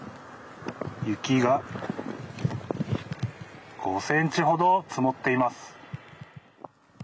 雪が５センチほど積もっています。